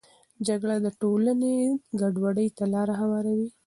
جګړه د ټولنې ګډوډي ته لاره هواروي.